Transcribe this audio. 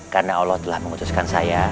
karena allah telah mengutuskan saya